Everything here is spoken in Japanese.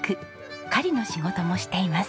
狩りの仕事もしています。